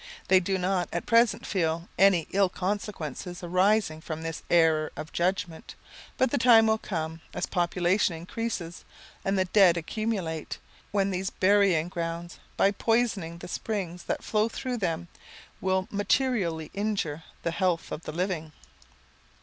They do not at present feel any ill consequences arising from this error of judgment; but the time will come, as population increases, and the dead accumulate, when these burying grounds, by poisoning the springs that flow through them, will materially injure the health of the living.